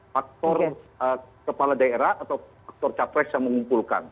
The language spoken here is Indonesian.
faktor kepala daerah atau faktor capres yang mengumpulkan